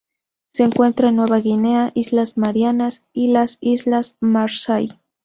Se encuentra en Nueva Guinea, Islas Marianas y las Islas Marshall.